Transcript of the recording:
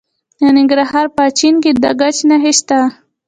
د ننګرهار په اچین کې د ګچ نښې شته.